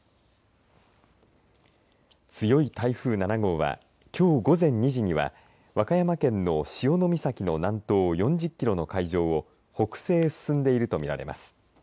強い台風７号はきょう午前２時には和歌山県の潮岬の南東４０キロの海上を北西へ進んでいると見られます。